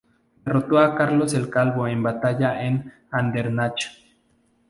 Derrotó a Carlos el Calvo en una batalla en Andernach.